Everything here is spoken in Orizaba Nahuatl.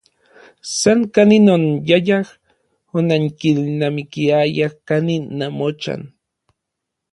San kanin onanyayaj, onankilnamikiayaj kanin namochan.